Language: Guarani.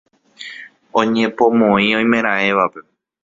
Oñepomoĩ oimeraẽvape.